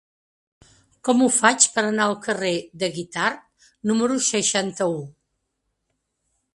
Com ho faig per anar al carrer de Guitard número seixanta-u?